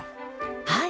はい。